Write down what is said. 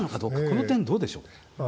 この点、どうでしょう。